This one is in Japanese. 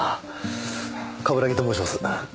冠城と申します。